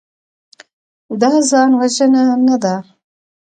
دا ځانوژنه نه ده.